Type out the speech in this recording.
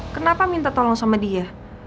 kenapa minta tolong sama dia